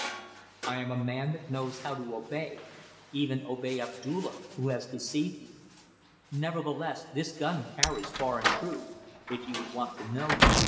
I am a man that knows how to obey; even obey Abdulla, who has deceived me. Nevertheless this gun carries far and true if you would want to know, Tuan.